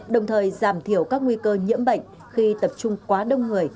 đồng thời giảm thiểu các nguy cơ nhiễm bệnh khi tập trung quá đông người